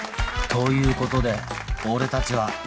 という事で俺たちは